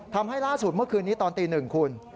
ทำให้ล่าสุดเมื่อคืนนี้ตอนตีหนึ่งคุณ